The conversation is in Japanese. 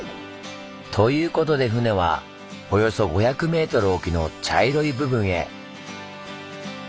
ということで船はおよそ５００ｍ沖の茶色い部分へ。